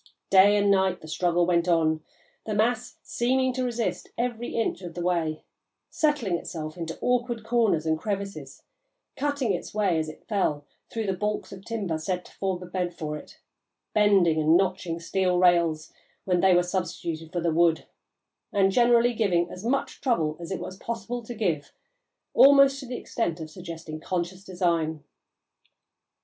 Day and night the struggle went on, the mass seeming to resist every inch of the way, settling itself into awkward corners and crevices; cutting its way, as it fell, through the baulks of timber set to form a bed for it; bending and notching steel rails, when they were substituted for the wood; and generally giving as much trouble as it was possible to give, almost to the extent of suggesting conscious design.